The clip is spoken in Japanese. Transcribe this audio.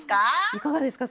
いかがですか？